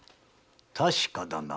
確かだな。